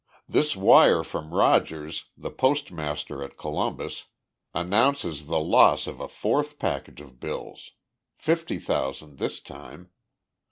This wire from Rogers, the postmaster at Columbus, announces the loss of a fourth package of bills. Fifty thousand this time.